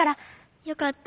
よかった。